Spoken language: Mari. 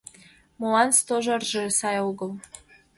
— Молан Стожарже сай огыл?